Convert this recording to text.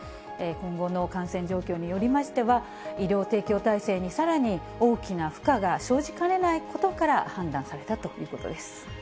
今後の感染状況によりましては、医療提供体制にさらに大きな負荷が生じかねないことから、判断されたということです。